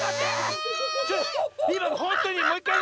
ちょっといまのほんとにもういっかい！